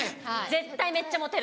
絶対めっちゃモテる。